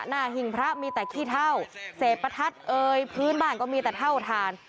หิ้งพระมีแต่ขี้เท่าเศษประทัดเอ่ยพื้นบ้านก็มีแต่เท่าทาน